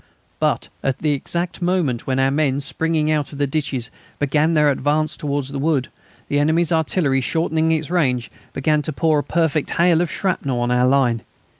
But at the exact moment when our men, springing out of the ditches, began their advance towards the wood, the enemy's artillery, shortening its range, began to pour a perfect hail of shrapnel on our line.